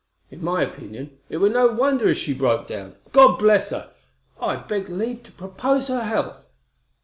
In my opinion, it were no wonder as she broke down, God bless her! I beg leave to propose her health.'